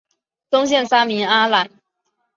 宗宪三名阿懒。